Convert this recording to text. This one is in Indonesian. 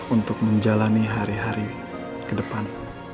untuk menjalani hari hari ke depan